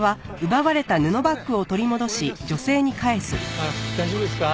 あっ大丈夫ですか？